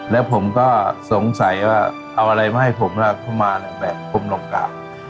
แล้วผมก็สงสัยว่าเอาอะไรมาให้ผมลากเข้ามาแบบกลมกราบ